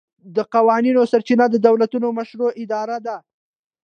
د قوانینو سرچینه د دولتونو مشروعه اراده ده